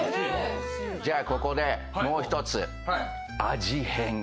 じゃあここでもう一つ。